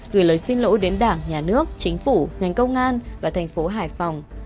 gửi lời xin lỗi đến đảng nhà nước chính phủ ngành công an và thành phố hải phòng